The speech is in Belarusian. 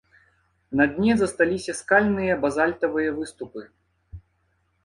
На дне засталіся скальныя базальтавыя выступы.